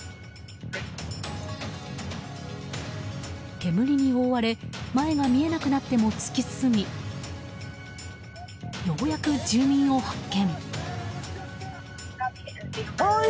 煙に覆われ前が見えなくなっても突き進みようやく住民を発見。